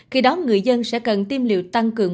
khi đó người dân sẽ cần tiêm liệu tăng cường